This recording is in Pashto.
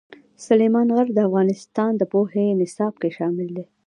سلیمان غر د افغانستان د پوهنې نصاب کې شامل دي.